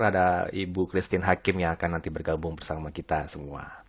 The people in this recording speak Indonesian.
ada ibu christine hakim yang akan nanti bergabung bersama kita semua